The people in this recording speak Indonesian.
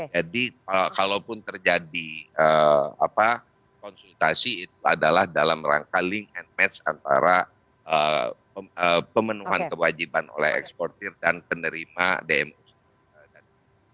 jadi kalaupun terjadi konsultasi itu adalah dalam rangka link and match antara pemenuhan kewajiban oleh eksportir dan penerima dmo dpo